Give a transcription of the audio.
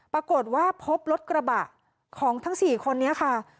ปรากฏว่าพบรถกระบะของทั้ง๔คนนี้ค่ะ